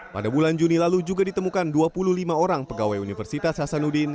pada bulan juni lalu juga ditemukan dua puluh lima orang pegawai universitas hasanuddin